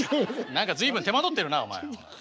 何か随分手間取ってるなお前は。